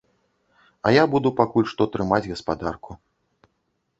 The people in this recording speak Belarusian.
А я буду пакуль што трымаць гаспадарку.